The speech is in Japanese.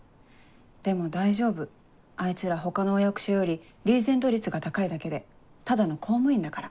でも大丈夫あいつら他のお役所よりリーゼント率が高いだけでただの公務員だから。